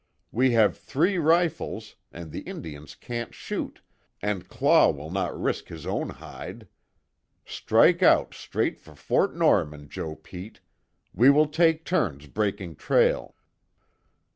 We have three rifles, and the Indians can't shoot, and Claw will not risk his own hide. Strike out straight for Fort Norman, Joe Pete. We will take turns breaking trail."